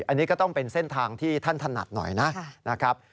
อันนี้ก็ต้องเป็นเส้นทางที่ท่านถนัดหน่อยนะครับ